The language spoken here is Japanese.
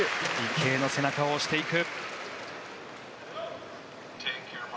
池江の背中を押していく。